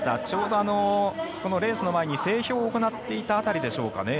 ちょうど、レースの前に整氷を行っていた辺りでしょうか。